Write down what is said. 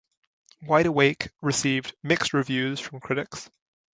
"Wide Awake" received mixed reviews from critics.